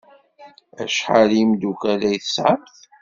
Acḥal n yimeddukal ay tesɛamt?